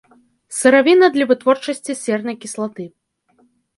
Сыравіна для вытворчасці сернай кіслаты.